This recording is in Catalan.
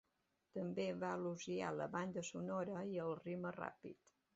També va elogiar la banda sonora i el ritme ràpid.